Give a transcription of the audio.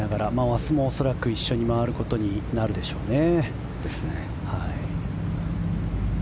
明日も恐らく一緒に回ることになるでしょうね。